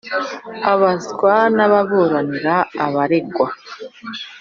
abazwa n'ababuranira abaregwa